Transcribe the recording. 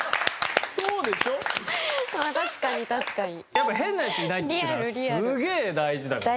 やっぱ「変なやついない」っていうのがすげえ大事だからね。